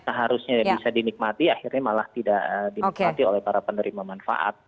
seharusnya bisa dinikmati akhirnya malah tidak dinikmati oleh para penerima manfaat